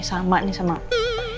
sama nih sama aku